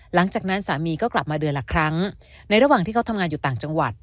หลังจากนั้นสามีก็กลับมาเดือนละครั้งในระหว่างที่เขาทำงานอยู่ต่างจังหวัด